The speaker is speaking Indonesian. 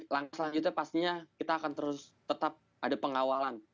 langkah selanjutnya pastinya kita akan terus tetap ada pengawalan